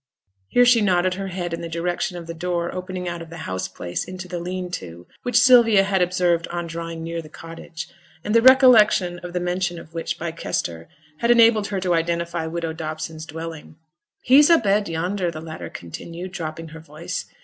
Here she nodded her head in the direction of the door opening out of the house place into the 'lean to', which Sylvia had observed on drawing near the cottage, and the recollection of the mention of which by Kester had enabled her to identify widow Dobson's dwelling. 'He's a bed yonder,' the latter continued, dropping her voice.